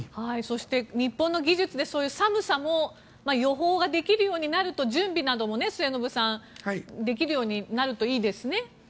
そして、日本の技術でそういう寒さも予報ができるようになると準備などもできるようになるといいですね。